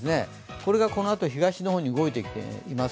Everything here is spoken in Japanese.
これがこのあと東の方に動いていきます。